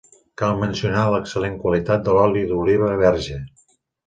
Cal mencionar l'excel·lent qualitat de l'oli d'oliva verge.